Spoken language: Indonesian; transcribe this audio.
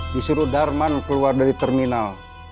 disuruh darman keluar dari terminal